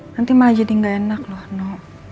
nanti malah jadi gak enak loh no